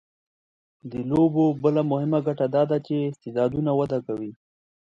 د لوبو بله مهمه ګټه دا ده چې استعدادونه وده کوي.